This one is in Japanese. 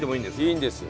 いいんです。